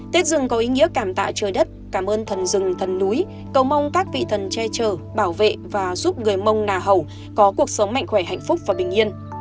tết rừng có ý nghĩa cảm tạo trời đất cảm ơn thần rừng thần núi cầu mong các vị thần che chở bảo vệ và giúp người mông nà hẩu có cuộc sống mạnh khỏe hạnh phúc và bình yên